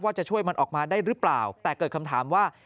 จะช่วยมันออกมาได้หรือเปล่าแต่เกิดคำถามว่า